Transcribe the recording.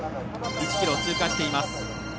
１ｋｍ通過しています。